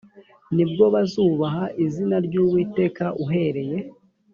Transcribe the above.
ni bwo bazubaha izina ry uwiteka uhereye